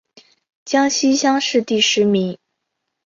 江西乡试第十名。